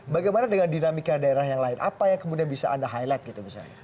bagaimana dengan dinamika daerah yang lain apa yang kemudian bisa anda highlight gitu misalnya